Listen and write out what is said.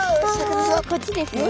こっちですね。